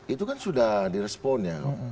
itu kan sudah direspon ya